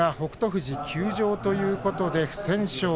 富士休場ということで不戦勝。